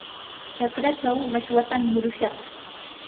chakraachaw mashwatam murushaq.